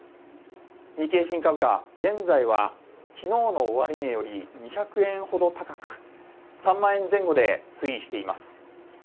日経平均株価、現在はきのうの終値より２００円ほど高く３万円前後で推移しています。